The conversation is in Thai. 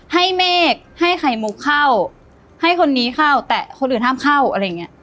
ให้เมฆให้ไข่มุกเข้าให้คนนี้เข้าแต่คนอื่นห้ามเข้าอะไรอย่างเงี้ย